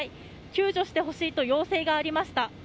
救助してほしいと要請がありました。